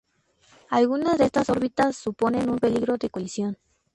Algunas de estas órbitas suponen un peligro de colisión.